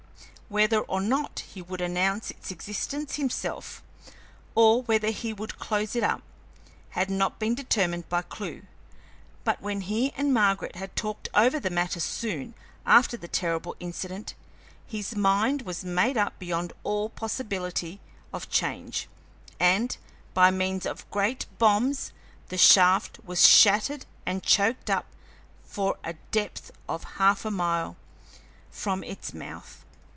Whether or not he would announce its existence himself, or whether he would close it up, had not been determined by Clewe; but when he and Margaret had talked over the matter soon after the terrible incident, his mind was made up beyond all possibility of change, and, by means of great bombs, the shaft was shattered and choked up for a depth of half a mile from its mouth.